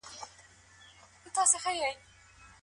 بل چا چې کوم زیار ایستلی وي هغه په خپل نوم مه خپروئ.